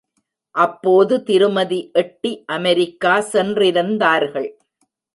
அப்போது திருமதி எட்டி அமெரிக்கா சென்றிருந்தார்கள்.